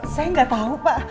saya gak tau pak